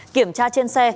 kiểm tra trên xe